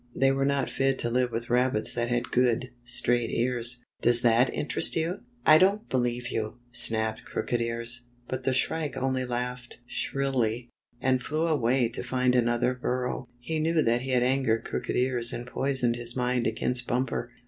They were not fit to live with rabbits that had good, straight ears. Does that interest you? "" I don't believe you! " snapped Crooked Ears, but the Shrike only laughed shrilly, and flew away to find another burrow. He knew that he had angered Crooked Ears and poisoned his mind against Bumper.